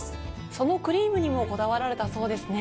そのクリームにもこだわられたそうですね。